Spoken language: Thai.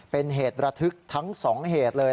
เป็นเหตุระทึกทั้ง๒เหตุเลย